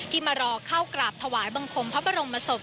มารอเข้ากราบถวายบังคมพระบรมศพ